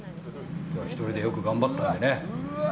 １人でよく頑張ったのでね。